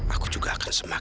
aku juga akan sembuh